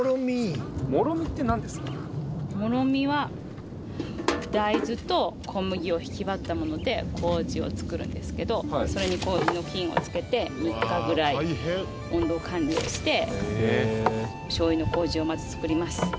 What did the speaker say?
もろみは大豆と小麦をひき割ったもので麹を作るんですけどそれに麹の菌を付けて３日ぐらい温度管理をしてしょうゆの麹をまず作ります。